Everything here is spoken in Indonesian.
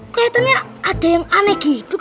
kelihatannya ada yang aneh gitu